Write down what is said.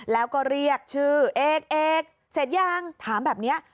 แล้วก็เรียกชื่อเอกเอกเสร็จยังถามแบบนี้